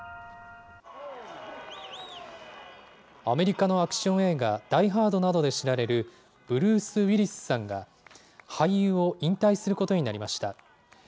アメリカのアクション映画、ダイ・ハードなどで知られる、ブルース・ウィリスさんが、俳優を引退することになりました。